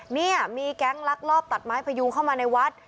นี่มีแก๊งลักลอบตัดไม้พยุงเข้ามาในวัด